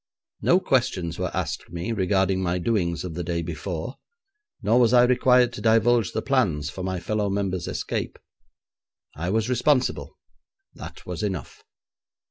No questions were asked me regarding my doings of the day before, nor was I required to divulge the plans for my fellow member's escape. I was responsible; that was enough.